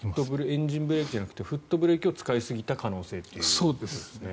エンジンブレーキじゃなくてフットブレーキを使いすぎた可能性ということですね。